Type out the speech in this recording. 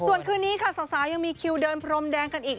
ส่วนคืนนี้ค่ะสาวยังมีคิวเดินพรมแดงกันอีก